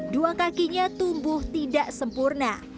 dua kakinya tumbuh tidak sempurna